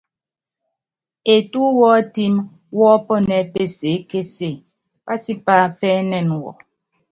Etú wɔ́tímɛ wɔ́pɔnɛ́ɛ peseékése, pátipápɛ́nɛn wɔ.